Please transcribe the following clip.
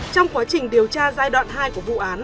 trong quá trình điều tra giai đoạn hai của vụ án